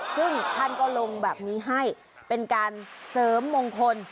ซึ่งท่านก็ลงแบบนี้ให้เป็นการเสริมมงคล